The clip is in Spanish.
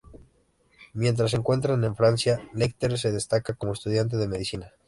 Mientras se encuentra en Francia, Lecter se destaca como estudiante de medicina.